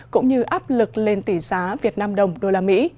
cũng như áp lực lên tỷ giá việt nam đồng đô la mỹ